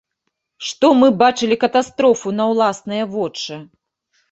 Што мы бачылі катастрофу на ўласныя вочы.